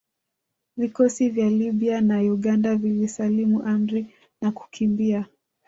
Vikosi vya Libya na Uganda vilisalimu amri na kukimbia